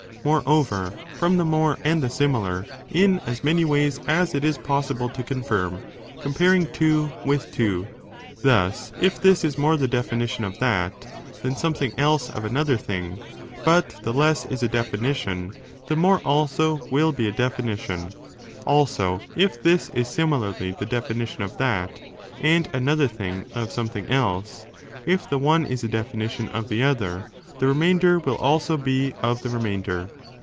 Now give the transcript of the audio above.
Moreover, from the more and the similar, in as 5. How the e, 8 ° P comparison of Many ways as it is possible to confirm, comparing pines Se τὰ two with two, thus; if this is more the definition tothe forma of that, than something else of another thing, but pon of defini the less is a definition, the more also (will be a definition) ; also if this is similarly the definition of that, and another thing of something else, if the one is a definition of the other, the remainder will also be of the re mainder.